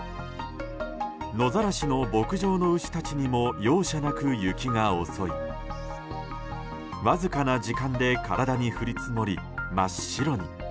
野ざらしの牧場の牛たちにも容赦なく雪が襲いわずかな時間で体に降り積もり真っ白に。